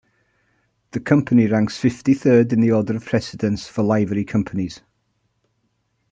The Company ranks fifty-third in the order of precedence for Livery Companies.